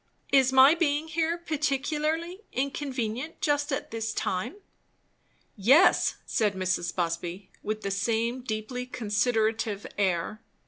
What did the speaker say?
Is my being here particularly inconvenient just at this time?" "Yes!" said Mrs. Busby, with the same deeply considerative air.